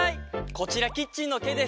こちらキッチンのケイです！